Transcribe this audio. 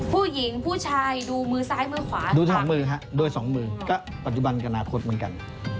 ผู้หญิงผู้ชายดูมือซ้ายมือขวาดู๒มือครับโดย๒มือก็ปัจจุบันกับอนาคตเหมือนกัน